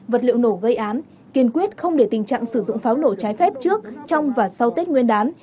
vật liệu nổ gây án kiên quyết không để tình trạng sử dụng pháo nổ trái phép trước trong và sau tết nguyên đán